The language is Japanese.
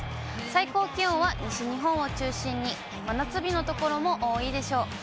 最高気温は西日本を中心に真夏日の所も多いでしょう。